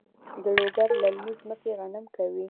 د لوګر للمي ځمکې غنم کوي؟